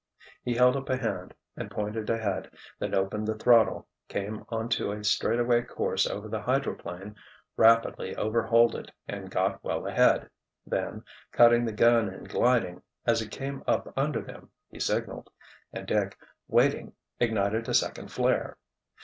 He held up a hand, and pointed ahead, then opened the throttle, came onto a straightaway course over the hydroplane, rapidly overhauled it and got well ahead. Then, cutting the gun and gliding, as it came up under them, he signaled, and Dick, waiting, ignited a second flare.